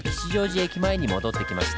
また駅前に戻ってきました。